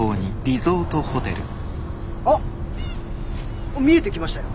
あ見えてきましたよ。